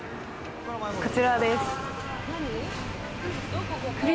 こちらです。